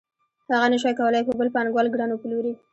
هغه نشوای کولی په بل پانګوال ګران وپلوري